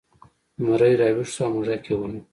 زمری راویښ شو او موږک یې ونیو.